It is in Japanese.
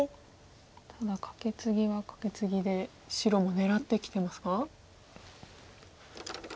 ただカケツギはカケツギで白も狙ってきてますか？